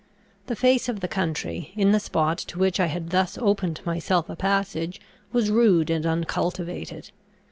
The face of the country, in the spot to which I had thus opened myself a passage, was rude and uncultivated.